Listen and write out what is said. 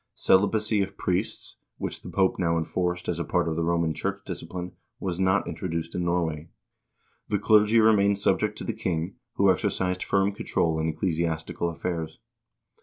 Celibacy of priests, which the Pope now enforced as a part of the Roman church discipline, was not introduced in Norway. The clergy remained subject to the king, who exercised firm control in ecclesiastical affairs.